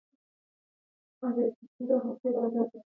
ازادي راډیو د اټومي انرژي په اړه د غیر دولتي سازمانونو رول بیان کړی.